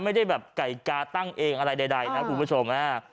ไม่ได้แบบไก่กาตั้งเองอะไรใดนะคุณผู้ชม